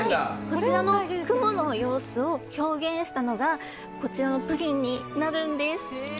こちら雲の様子を表現したのがこちらのプリンになるんです。